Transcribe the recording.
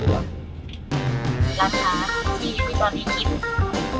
รับทราบที่มีตอนนี้กิน